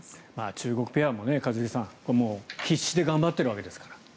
中国ペアも必死で頑張っているわけですから。